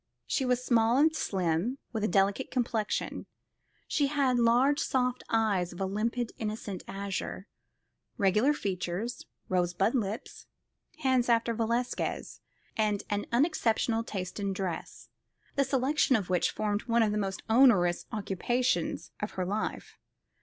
She was small and slim, with a delicate complexion. She had large soft eyes of a limpid innocent azure, regular features, rosebud lips, hands after Velasquez, and an unexceptionable taste in dress, the selection of which formed one of the most onerous occupations of her life.